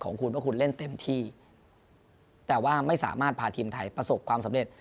ของคุณว่าคุณเล่นเต็มที่แต่ว่าไม่สามารถพาทีมไทยประสบความสำเร็จ